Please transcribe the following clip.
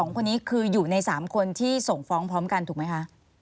๒คนนี้คืออยู่ใน๓คนที่ส่งฟ้องพร้อมกันถูกไหมคะ